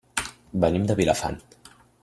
Venim de Vilafant.